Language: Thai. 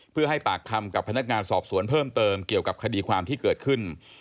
เพื่อให้ปากคำกับพนักงานสอบสวนเพิ่มเติมเกี่ยวกับคดีความที่เกิดขึ้น